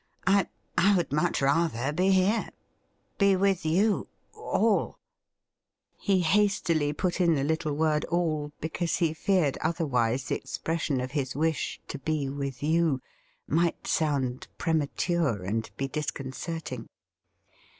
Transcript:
I — I would much rather be here — ^be with ' you — all !' SOMEONE HAS BLUNDERED 79 He hastily put in the little word ' all,' because he feared otherwise the expression of his wish to be 'with you' might sound premature and be disconcerting.